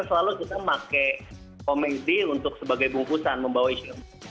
kita selalu hampir selalu kita pakai komedi untuk sebagai bungkusan membawa isu